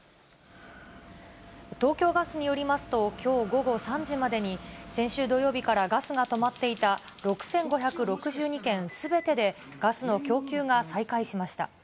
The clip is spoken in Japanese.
東京ガスによりますと、きょう午後３時までに、先週土曜日からガスが止まっていた６５６２軒すべてでガスの供給が再開しました。